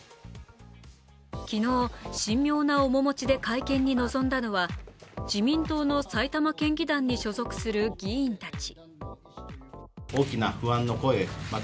昨日、神妙な面持ちで会見に臨んだのは、自民党の埼玉県議団に所属する議員たち。